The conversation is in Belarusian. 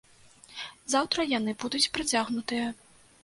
Заўтра яны будуць працягнутыя.